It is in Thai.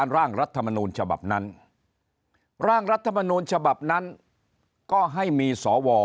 ร่างรัฐมนูลฉบับนั้นร่างรัฐมนูลฉบับนั้นก็ให้มีสว